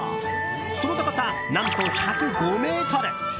その高さ、何と１０５ｍ。